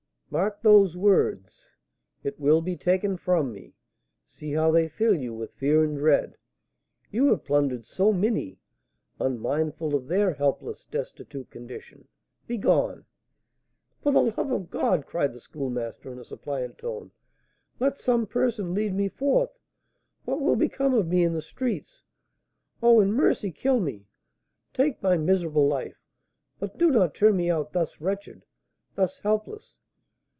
"Mark those words, 'It will be taken from me!' See how they fill you with fear and dread! You have plundered so many, unmindful of their helpless, destitute condition, begone!" "For the love of God," cried the Schoolmaster, in a suppliant tone, "let some person lead me forth! What will become of me in the streets? Oh, in mercy kill me! take my miserable life! but do not turn me out thus wretched, thus helpless!